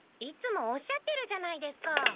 いつもおっしゃってるじゃないですか。